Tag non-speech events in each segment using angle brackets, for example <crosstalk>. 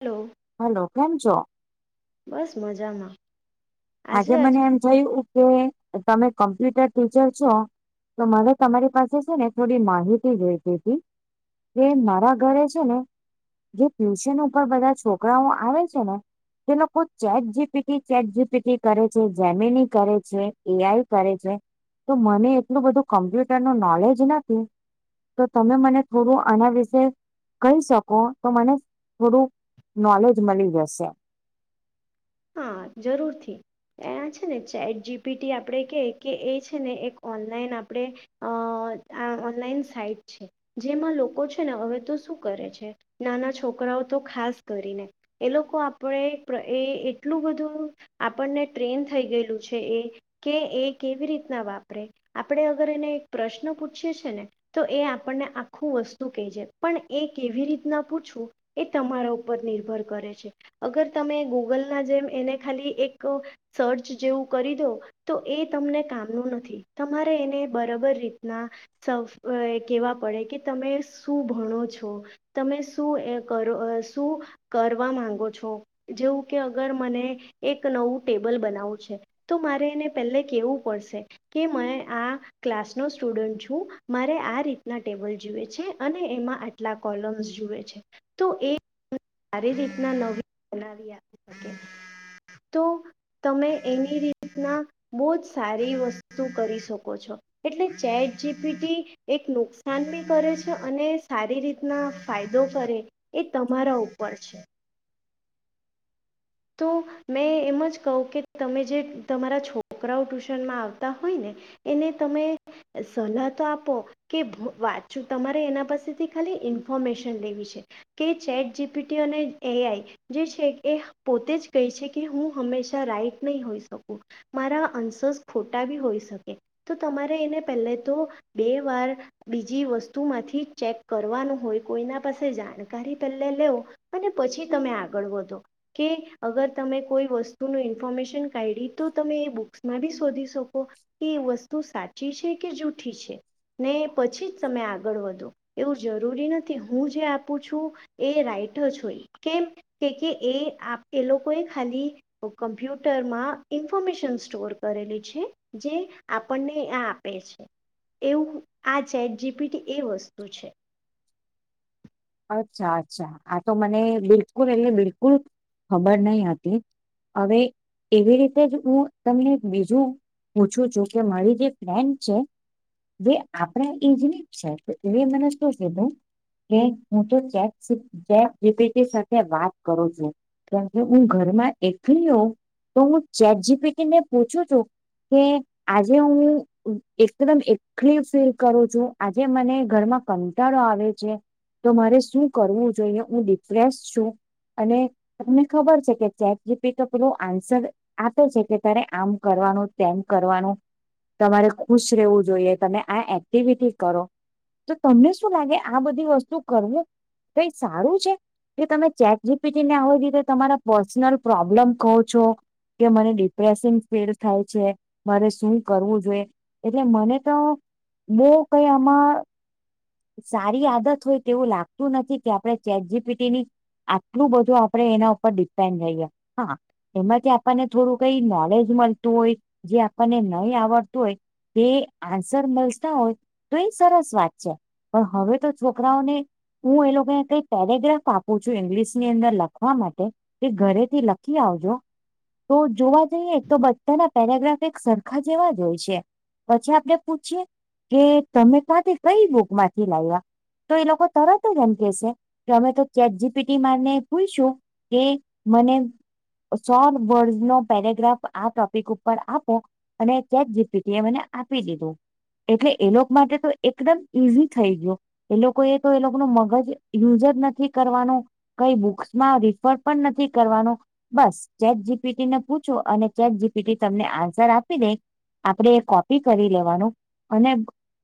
Hello. હાલો કેમ છો? બસ મજા માં. આજે મને એમ થયું કે તમે કમ્પ્યુટર ટીચર છો તો મને તમારી પાસે છે ને થોડી માહિતી જોઈતી હતી. એ મારા ઘરે છે ને જે ટ્યુશન ઉપર બધા છોકરાઓ આવે છે ને જે લોકો chat G P T chat G P T કરે છે જેમીની કરે છે એ આઈ કરે છે તો મને એટલું બધું કમ્પ્યુટર નું નોલેજ નથી. તો તમે મને થોડું આના વિશે કહી શકો તો મને થોડું નોલેજ મળી જશે. હા જરૂરથી. અહીંયા છે ને ચેટ જી પી ટી આપડે કે કે એ છે ને એક ઓનલાઈન આપડે અહ આ ઓનલાઈન સાઈટ છે. જેમાં લોકો છે ને હવે તો શું કરે છે નાના છોકરાઓ તો ખાસ કરીને એ લોકો આપડે પ્ર એ એ ટલું બધું આવું આપણને ટ્રેન થઈ ગયેલું છે એ કે એ કેવી રીતના વાપરે આપડે અગર એને એક પ્રશ્ન પૂછીએ છે ને તો એ આપણને આખું વસ્તુ કેય જે પણ એ કેવી રીતના પૂછવું એ તમારા ઉપર નિર્ભર છે અગર તમે ગૂગલ ના જેમ એને ખાલી એક સર્ચ જેવું કરી દો તો એ તમને કામનું નથી તમારે એને બરાબર રીતના સૌ એ કેવા પડે કે તમે શું ભણો છો. તમે શું એ કરો શું કરવા માંગો છો જેવું કે અગર મને એક નવું ટેબલ બનાવું છે. તો મારે એને પહેલે કેવું પડશે કે મેં આ ક્લાસ નો સ્ટુડન્ટ છું મારે આ રીતના ટેબલ જુએ છે અને એમાં કેટલા કોલમ્સ જુએ છે તો એ સારી રીતના નવી બનાવી આપે. ઓકે તો તમે એની રીતના બો જ સારી વસ્તુ કરી શકો છો એટલે ચેટ જીપીટી એક નુકસાન બી કરે છે અને સારી રીતના ફાયદો કરે એ તમારા ઉપર છે. તો મેં એમ જ કહું કે તમે જે તમારા છોકરાઓ ટ્યુશનમાં આવતા હોય ને એને તમે સલાહ તો આપો, કે ભુ વાંચું તમારે એના પાસેથી ખાલી ઇન્ફોર્મેશન લેવી છે. કે ચેટ જીપીટી અને એઆઈ જે છે એ પોતે જ કહે છે કે હું હંમેશા રાઈટ નહીં હોઈ શકું. મારા અંનસર ખોટા બી હોઈ શકે તો તમારે એને પહેલે તો બે વાર બીજી વસ્તુમાંથી ચેક કરવાનું હોય કોઈના પાસે જાણકારી પહેલે લેવુ. અને પછી તમે આગળ વધો. કે અગર તમે કોઈ વસ્તુનું ઇન્ફોર્મેશન કાયઢી તો તમે એ બુક્સમાં બી શોધી શકો. એ વસ્તુ સાચી છે કે જૂઠી છે? ને પછી જ તમે આગળ વધો એવું જરૂરી નથી હું જે આપું છું, એ રાઈટ જ હોય કેમ કે એ એ લોકો એ ખાલી તો કમ્પ્યુટરમાં ઇન્ફોર્મેશન સ્ટોર કરેલી છે. જે આપણ ને આ આપે છે. એવુંઆ ચેટ જીપિટી એ વસ્તુ છે. અચ્છા અચ્છા આ તો મને બિલકુલ એટલે બિલકુલ ખબર નહી હતી. હવે એવી રીતે જ હું તમને બીજું પૂછું છું કે મારી જે કોમ છે જે આપણા એ જ છે એ મને શુ કીધું કે હું તો ચેક જીપિટી સાથે વાત કરું છું. કારણકે હું ઘરમાં એકલી હોઉં તો હું ચેટજી પીટી ને પૂછું છું. કે આજે હું? એકદમ એકલી ફીલ કરું છું આજે મને ઘરમાં કંટાળો આવે છે. તો મારે શું કરવું જોઈએ હું ડિપ્રેસ છું અને તમને ખબર છે કે ચેટ જીપિટીએ આન્સર, આ તો છે કે તારે આમ કરવાનું તેમ કરવાનું, તમારે ખુશ રહેવું જોઈએ. તમે આ એક્ટિવિટી કરો. તો તમને શું લાગે આ બધી વસ્તુ કરવું કઈ સારું છે? કે તમે ચેક જીપીટી ને આવીરીતે તમારા પર્સનલ પ્રોબ્લેમ કહો છો. કે મને ડિપ્રેશન ફીલ થાય છે મારે શું કરવું જોઈએ.? મને તો બુંવ કઈઆમા સારી આદત હોય તેવું લાગતું નથી કે આપણે ચેટ જીપીટી ની, આટલું બધું આપણે એના ઉપર ડિપેન્ડ રઈએ હા. એમાંથી આપણને થોડું કઈ નોલેજ મળતું હોય જે આપણને નહી આવડતું હોય. તે આન્સર મળતા હોય તો એ સરસ વાત છે. પણ હવે તો છોકરાઓને હું એ લોકોને કઈક પેરાગ્રાફ આપું છું, ઇંગ્લિશ ની અંદર લખવા માટે. તે ઘરેથી લખી આવજો. તો જોવા જઈએ તો, બધાના પેરાગ્રાફ એક સરખા જેવા જ હોય છે. પછી આપણે પૂછીએ કે, તમે કાતે કઈ બુક માંથી લાવ્યા. તો એ લોકો તરત જ એમ કે છે કે, અમે તો ચેક જીપીટી માને ભુલશું. એ મને સો વર્ડ નો પેરાગ્રાફ આ ટોપિક ઉપર આપો. અને ચેક જીપિટી એ મને આપી દીધું, એટલે એ લોકો માટે તો એકદમ ઈઝી. થઈ ગયો, એ લોકો એ તો એ લોકો ન મગજ યુઝ જનથી કરવાનો. કઈ બુક્સ માં રીફર પણ નથી કરવાનો. બસ ચેટ જીપીટીને પૂછો, અને ચેટ જીપીટી તમને આન્સર આપી દે. આપડે એ કોપી કરી લેવાનું, અને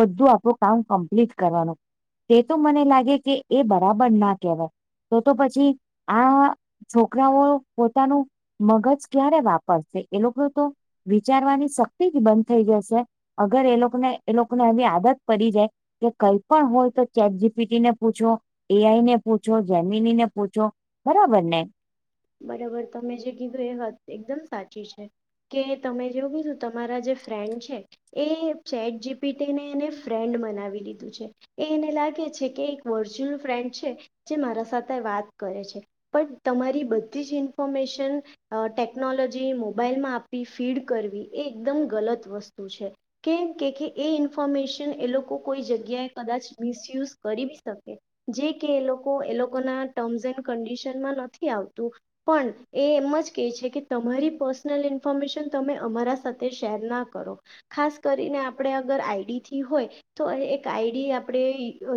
બધું આપણું કામ કમ્પ્લીટ. કરવાનું તે તો મને લાગે કે, એ બરાબર ના કહેવાય. તો તો પછી આ છોકરાઓ પોતાનું મગજ વાપરશે લોકો તો વિચારવાની શક્તિ જ બંધ થઈ જશે, અગર એ લોકોને એ લોકોને આવીની આદત પડી જાય. કે કઈ પણ હોય તો, ચેટ જીપીટી ને પૂછો, એઆઈ ને પૂછો, જેમીની ને પૂછો. બરાબર ને. બરાબર, તમે જે કીધું, એ વા એકદમ સાચી છે. કે તમે જેવું બધું તમારા જે ફ્રેન્ડ છે. એ ચેટ જીપીટીને, એને ફ્રેન્ડ બનાવી લીધું છે. એ લાગે છે કે, એક ફ્રેન્ડ છે. જે મારા સાથે વાત કરે છે, પણ તમારી બધી જ ઇન્ફોર્મેશન ટેકનોલોજી મોબાઈલમાં આપવી ફીડ કરવી, એ એકદમ ગલત વસ્તુ છે. કેમ કે કે, એ ઇન્ફોર્મેશન એ લોકો કોઈ જગ્યાએ કદાચ મિસયુઝ કરી બી શકે. જે કે, એ લોકો એ લોકો ના ટર્મ્સ એન્ડ કડિશનમાં નથી આવતું. પણ એ એમ જ કહે છે કે, તમારી પર્સનલ ઇન્ફોર્મેશન તમે અમારા સાથે શેર ના કરો. ખાસ કરીને, આપણે અગર આઈડીથી હોય. તો એક આઈડી આપણે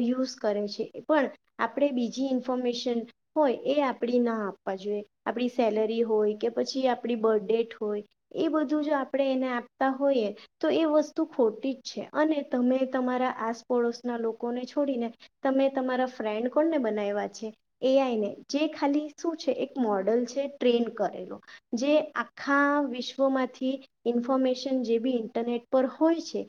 યુઝ કરે છે, પણ આપણે બીજી ઇન્ફોર્મેશન હોય, એ આપણી ના આપ આપણી સેલરી હોય કે, પછી આપણી બર્થડેટ હોય. એ બધું જો આપણેે એને આપતા હોઈએ. તો એ વસ્તુ ખોટી જ છે, અને તમે તમારા આસપડોશના લોકોને છોડીને તમે તમારા ફ્રેન્ડ કોણને બનાવ્યા છે, એ આઈ ને જે ખાલી શું? એક મોડલ છે, ટ્રેન્ડ કરેલો, જે આખા વિશ્વમાંથી ઇન્ફોર્મેશન જે બી ઇન્ટરનેટ પર હોય છે,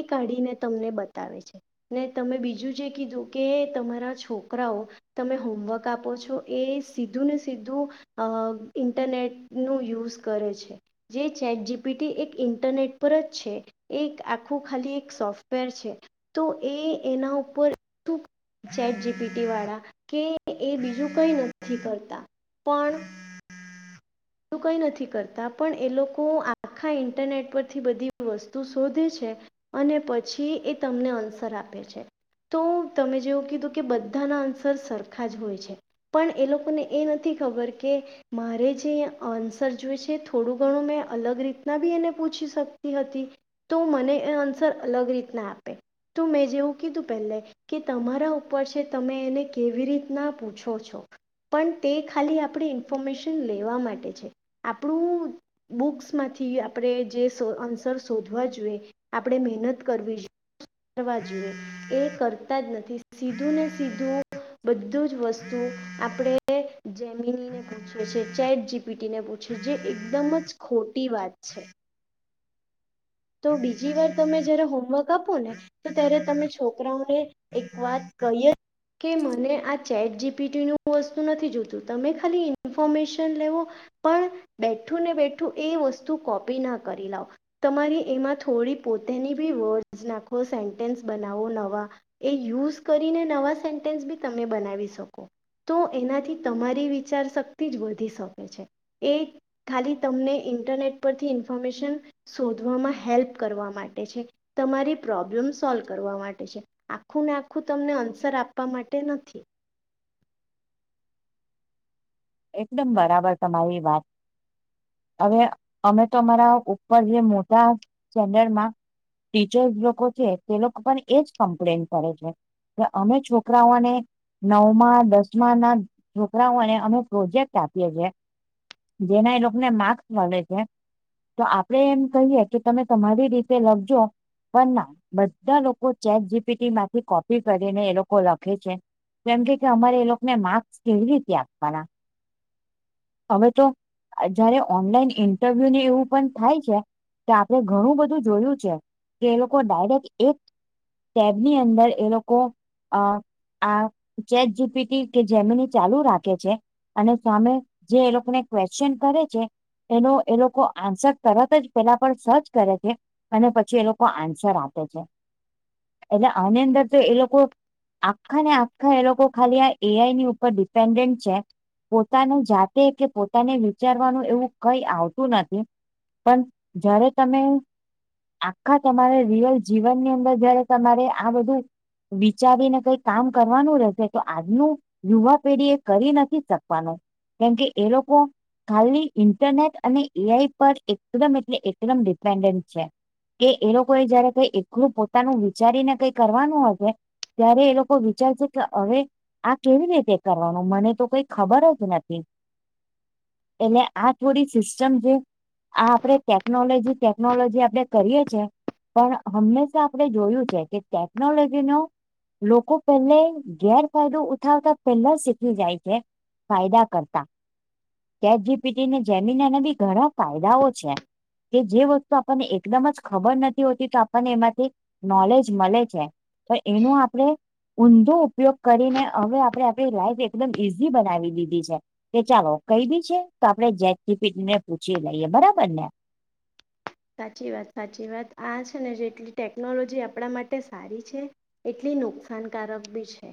એ કાઢીને તમને બતાવે છે. ને તમે બીજું જે કીધું કે, તમારા છોકરાઓ તમે હોમવર્ક આપો છો, એ સીધું ને સીધું અ ઇન્ટરનેટ નું યુઝ કરે છે. જે ચેટ જીપીટી એક ઇન્ટરનેટ પર જ છે. એક આખું ખાલી એક સોફ્ટવેર છે, તો એ એના ઉપરું ચેટ જીપીટી વાળા કે, એ બીજું કઈ નથી કરતા. પણ. <inaudible> કંઈ નથી કરતા, પણ એ લોકો આખા ઇન્ટરનેટ પરથી બધી વસ્તુ શોધે છે. અને પછી એ તમને આન્સર આપે છે. તો તમે જેવું કીધું કે બધાના અન્સર સરખા જ હોય છે. પણ એ લોકોને એ નથી ખબર કે મારે જે આન્સર જોય છે થોડું ઘણું મેં અલગ રીતના બી એને પૂછી શકતી હતી. તો મને એ આન્સર અલગ રીતના આપે તો મેં જેવું કીધું પહેલે કે તમારા છે તમે એને રીતના પૂછો છો પણ તે ખાલી આપણે ઇન્ફોર્મેશન લેવા માટે છે આપણું બુક્સમાંથી આપણે જે આન્સર શોધવા જોઈએ. આપણે મહેનત કરવી કરવા જોઈએ. એ કરતા જ નથી સીધું ને સીધું બધું જ વસ્તુ આપણેે જેમીનીને પૂછી એ છે ચેટ જીપીટીને પૂછે જે એકદમ જ ખોટી વાત છે. તો બીજી વાર તમે જયારે હોમવર્ક આપો ને તો ત્યારે તમે છોકરાઓને એક વાત કહીએ કે મને આ ચેટ જીપીટીનું વસ્તુ નથી જોતું તમે ખાલી ઇન્ફોર્મેશન લેવો પણ બેઠું ને બેઠું એ વસ્તુ કોપી ના કરી લાવ તમારી એમાં થોડી પોતેની બી વર્ડ્સ નાખો સેન્ટેન્સ બનાવો નવા એ યુઝ કરીને નવા સેન્ટેન્સ બી તમે બનાવી શકો. તો એનાથી તમારી વિચારશક્તિ જ વધી શકે છે એ ખાલી તમને ઇન્ટરનેટ પરથી ઇન્ફોર્મેશન શોધવામાં હેલ્પ કરવા માટે છે. તમારી પ્રોબ્લેમ સોલ્વ કરવા માટે છે. આખું ને આખું તમને આન્સર આપવા માટે નથી. એકદમ બરાબર તમારી વાત હવે અમે તો અમારા ઉપર જે મોટા સ્ટાન્ડર્ડમાં બીજો લોકો છે તે લોકો પણ એજ કમ્પ્લેન કરે છે. અમે છોકરાઓને નવમાં દસમાના છોકરાઓને અમે પ્રોજેક્ટ આપીએ છે જેના એ લોકોને માર્ક્સ મળે છે. તો આપડે એમ કહીએ કે તમે તમારી રીતે લખજો પણ ના બધા લોકો ચેટ જીપીટીમાંથી કોપી કરીને એ લોકો લખે છે. એમ કે અમારે એ લોકોને માર્ક્સ કેવી રીતે આપવાના. હવે તો જયારે ઓનલાઈન ઇન્ટરવ્યુને એવું પણ થાય છે. કે આપડે ઘણું બધું જોયું છે કે એ લોકો ડાયરેક્ટ એક ટેબની અંદર એ લોકો અ આ ચેટ જીપીટી કે જેમીની ચાલુ રાખે છે અને સામે જે એ લોકો ને ક્વેશ્ચન કરે છે. એનો એ લોકો આન્સર તરત જ પેલાં પર સર્ચ કરે છે. અને પછી એ લોકો આન્સર આપે છે એટલે આની અંદર તો એ લોકો આખા ને આખા એ લોકો ખાલી આ એઆઈની ઉપર ડિપેન્ડન્ટ છે પોતાની જાત કે પોતાને વિચારવાનું એવું કઈ આવતું નથી. પણ જ્યારે તમે આખા તમારે રિયલ જીવનની અંદર જયારે તમારે આ બધું વિચારીને કામ કરવાનું રહેશે તો આજનું યુવાપેઢી એ કરી નથી શકવાનું કેમકે એ લોકો ખાલી ઇન્ટરનેટ અને એઆઈ પર એકદમ એટલે એકદમ ડિપેન્ડન્ટ છે. કે એ લોકો એ જયારે કઈ એકલું પોતાનું વિચારીને કઈ કરવાનું હશે ત્યારે એ લોકો વિચાર શે કે હવે આ કેવી રીતે કરવાનું મને તો કઈ ખબર જ નથી. એટલે આ થોડી સિસ્ટમ જે આ આપડે ટેકનોલોજી ટેકનોલોજી આપડે કરીએ છીએ. પણ હંમેશા આપણે જોયું છે, કે ટેકનોલોજીનો લોકો પહેલે ગેરફાયદો ઉઠાવતા પેલા શીખી જાય છે. ફાયદા કરતા <unintelligible> ચેતગીપીટી જમીનના બી ઘણા ફાયદાઓ છે. કે જે વસ્તુ આપણને એકદમ જ ખબર નથી હોતી. તો આપણને એમાંથી નોલેજ મળે છે. પણ એનું આપડે ઊંધો ઉપયોગ કરીને હવે આપણે આપ લાઈફ એકદમ ઈઝી બનાવી લીધી છે. કે ચાલો કઈ બી છે. તો આપડે ચેટ જીપીટીને લઈએ. બરાબર ને સાચી વાત સાચી વાત આ છે. ને જેટલી ટેકનોલોજી આપણા માટે સારી છે. એટલી નુકસાનકારક બી છે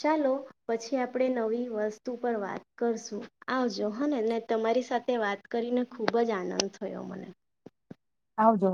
ચાલો પછી આપણે નવી વસ્તુ પર વાત કરશું. આવજો હ ને તમારી સાથે વાત કરીને ખુબજ આનંદ થયો મને આવજો